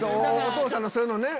お父さんのそういうのね。